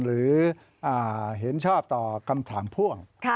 หรือเห็นชอบต่อคำถามพ่วง